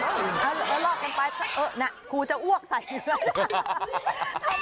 เออเออเออเออเออเออเออเออเออเออเออเออเออเออเออเออ